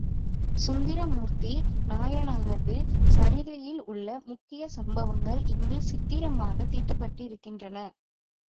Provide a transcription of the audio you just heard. சுந்தரமூர்த்தி நாயனாரது சரிதையில் உள்ள முக்கிய சம்பவங்கள் இங்கு சித்திரமாகத் தீட்டப்பட்டிருக்கின்றன.